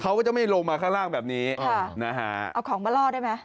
เขาก็จะไม่ลงมาข้างล่างแบบนี้ค่ะนะฮะเอาของมาล่อได้ไหม